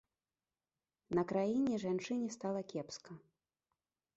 На краіне жанчыне стала кепска.